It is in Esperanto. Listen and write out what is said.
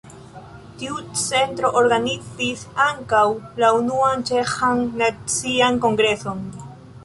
Tiu centro organizis ankaŭ la unuan ĉeĥan nacian kongreson.